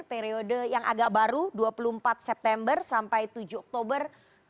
periode yang agak baru dua puluh empat september sampai tujuh oktober dua ribu dua puluh